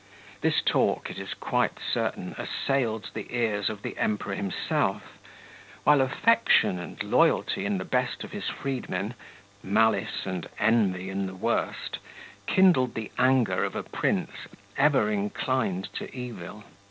This talk, it is quite certain, assailed the ears of the Emperor himself, while affection and loyalty in the best of his freedmen, malice and envy in the worst, kindled the anger of a prince ever inclined to evil.